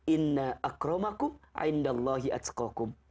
inna akromakum aindallahi atsukakum